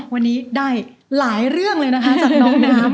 วันนี้ได้หลายเรื่องเลยนะคะจากน้องน้ำ